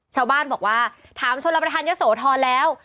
ชาวบ้านบอกว่าถามชนรับประทานเยอะโสธรแล้ว